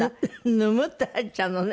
ぬむって入っちゃうのね。